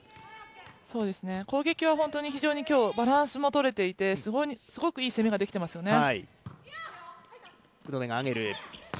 攻撃は今日、非常にバランスも取れていてすごくいい攻めができていますよね。